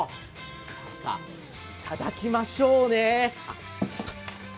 さぁ、いただきましょうね。